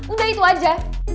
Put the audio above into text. udah itu aja